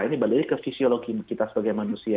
ini balik lagi ke fisiologi kita sebagai manusia